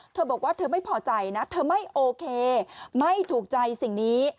เธอบอกว่าเธอไม่พอใจนะเธอไม่โอเคไม่ถูกใจสิ่งนี้